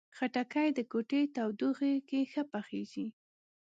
خټکی د کوټې تودوخې کې ښه پخیږي.